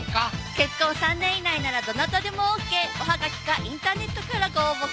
結婚３年以内ならどなたでもＯＫおはがきかインターネットからご応募ください